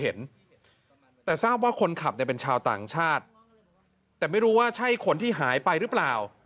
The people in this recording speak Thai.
เห็นแต่ทราบว่าคนขับเนี่ยเป็นชาวต่างชาติแต่ไม่รู้ว่าใช่คนที่หายไปหรือเปล่า